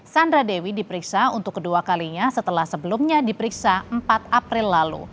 sandra dewi diperiksa untuk kedua kalinya setelah sebelumnya diperiksa empat april lalu